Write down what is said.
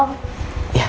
aku memberi kesempatan